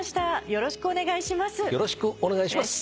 よろしくお願いします。